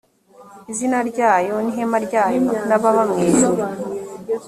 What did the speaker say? izina ryayo n ihema ryayo n ababa mu ijuru